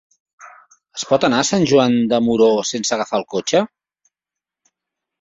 Es pot anar a Sant Joan de Moró sense agafar el cotxe?